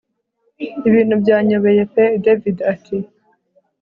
ibintu byanyobeye pe david ati